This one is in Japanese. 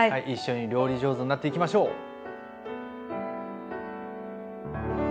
一緒に料理上手になっていきましょう！